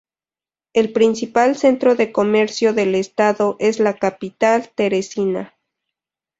El principal centro de comercio del estado es la capital, Teresina.